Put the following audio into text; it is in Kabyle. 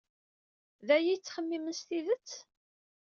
D aya ay tettxemmimem s tidet?